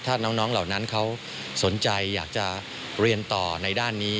ถ้าน้องเหล่านั้นเขาสนใจอยากจะเรียนต่อในด้านนี้